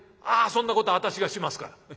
ああそんなことは私がしますから。